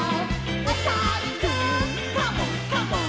「おさるくんカモンカモン」